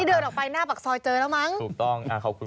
เดินออกไปหน้าปากซอยเจอแล้วมั้งถูกต้องอ่าขอบคุณ